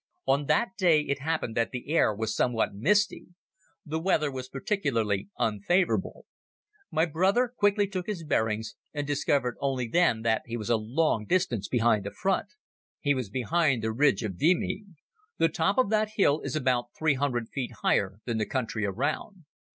On that day it happened that the air was somewhat misty. The weather was particularly unfavorable. My brother quickly took his bearings and discovered only then that he was a long distance behind the front. He was behind the ridge of Vimy. The top of that hill is about three hundred feet higher than the country around.